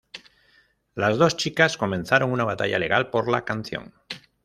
Las dos chicas comenzaron una batalla legal por la canción.